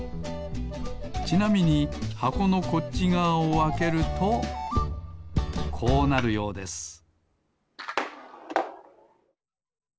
ちなみにはこのこっちがわをあけるとこうなるようです